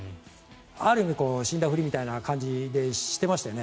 ある意味、死んだふりみたいな感じにしてましたよね。